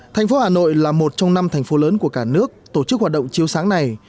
thành phố hà nội là một trong năm thành phố lớn của cả nước tổ chức hoạt động chiếu sáng này